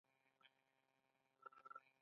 د حکومت مرسته ورسره وشوه؟